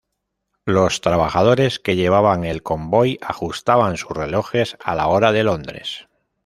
Los trabajadores que llevaban el convoy ajustaban sus relojes a la hora de Londres.